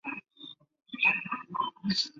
席格本身是名无神论者。